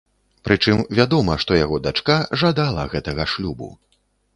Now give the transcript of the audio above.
Прычым вядома, што яго дачка жадала гэтага шлюбу.